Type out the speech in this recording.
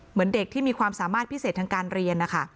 เหมือนเด็กที่มีความสามารถพิเศษทางการเรียนนะคะ